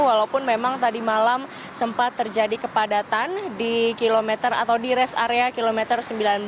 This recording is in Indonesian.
walaupun memang tadi malam sempat terjadi kepadatan di kilometer atau di rest area kilometer sembilan belas